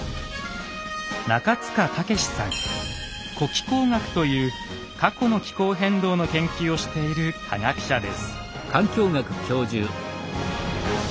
「古気候学」という過去の気候変動の研究をしている科学者です。